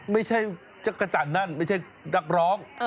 ไม่ใช่จักรจันทร์นั่นไม่ใช่นักร้อง